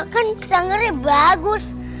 kan sangernya bagus